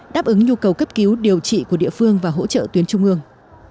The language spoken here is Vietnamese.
đáp ứng nhu cầu cấp cứu điều trị của địa phương và hỗ trợ tuyến trung ương